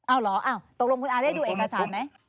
เอาเหรอตกลงคุณอาได้ดูเอกสารไหม